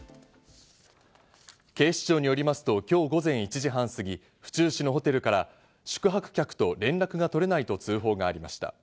警視庁によりますと今日午前１時半すぎ、府中市のホテルから宿泊客と連絡が取れないと通報がありました。